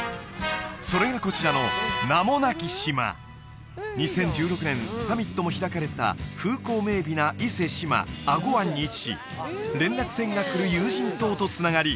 それがこちらの２０１６年サミットも開かれた風光明媚な伊勢志摩英虞湾に位置し連絡船が来る有人島とつながり